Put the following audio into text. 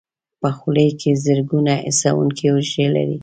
په خوله کې زرګونه حسونکي حجرې لري.